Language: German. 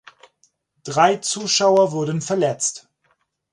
Drei Zuschauer wurden verletzt.